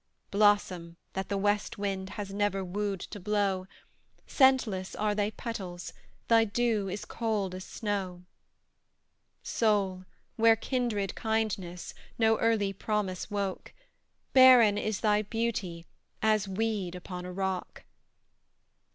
Blossom that the west wind Has never wooed to blow, Scentless are thy petals, Thy dew is cold as snow! Soul where kindred kindness, No early promise woke, Barren is thy beauty, As weed upon a rock.